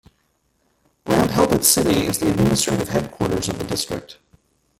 Lamphelpat city is the administrative headquarters of the district.